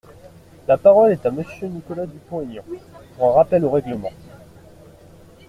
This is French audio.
La parole est à Monsieur Nicolas Dupont-Aignan, pour un rappel au règlement.